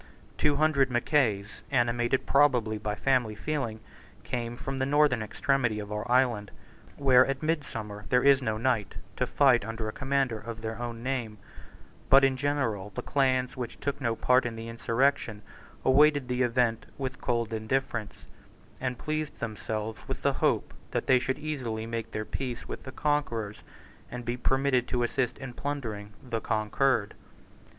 Two hundred Mackays, animated probably by family feeling, came from the northern extremity of our island, where at midsummer there is no night, to fight under a commander of their own name: but in general the clans which took no part in the insurrection awaited the event with cold indifference, and pleased themselves with the hope that they should easily make their peace with the conquerors, and be permitted to assist in plundering the conquered.